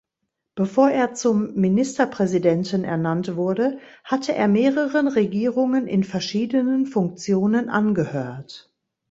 Bevor er zum Ministerpräsidenten ernannt wurde, hatte er mehreren Regierungen in verschiedenen Funktionen angehört.